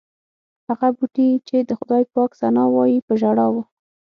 هغه بوټي چې د خدای پاک ثنا وایي په ژړا و.